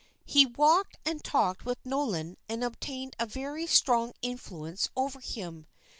He walked and talked with Nolan and obtained a very strong influence over him.